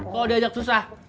kalo diajak susah